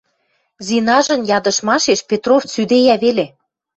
Зинажын ядыштмашеш Петров цӱдейӓ веле.